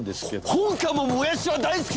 本官ももやしは大好きだ！